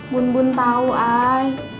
bun bun tau ay